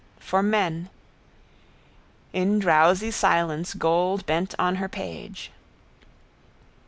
For men. In drowsy silence gold bent on her page.